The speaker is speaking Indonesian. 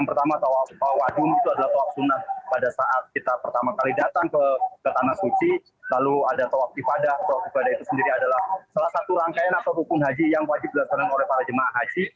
pada saat kita pertama kali datang ke tanah suci lalu ada toah pifadah toah pifadah itu sendiri adalah salah satu rangkaian atau hukum haji yang wajib dilaksanakan oleh para jemaah haji